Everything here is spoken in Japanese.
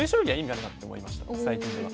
最近では。